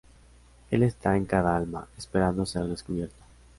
Él está en cada alma, esperando ser descubierto.